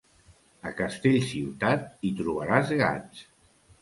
A Castellciutat, hi trobaràs gats.